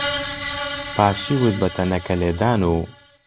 پاشیوت بە تەنەکەلێدان و